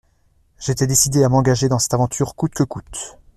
J'étais décidé à m'engager dans cette aventure coûte que coûte.